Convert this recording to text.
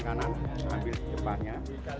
tangan kanan ambil jepahnya